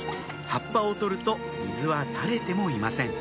葉っぱを取ると水は垂れてもいません